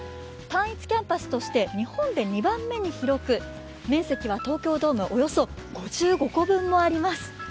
単一キャンパスとして日本で２番目に広く、面積は東京ドームおよそ５５個分もあります。